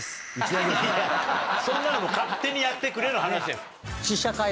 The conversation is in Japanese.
そんなのもう勝手にやってくれの話です。